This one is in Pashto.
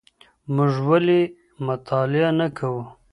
موږ ولې مطالعه نه کوو؟